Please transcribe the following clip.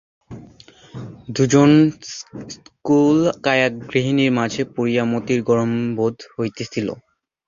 দুজন স্থূলকায়া গৃহিণীর মাঝে পড়িয়া মতির গরম বোধ হইতেছিল।